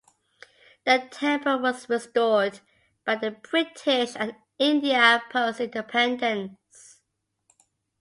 The Temple was restored by the British and India post independence.